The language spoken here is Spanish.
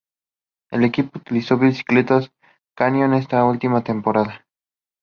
El equipo utilizó bicicletas Canyon en su última temporada.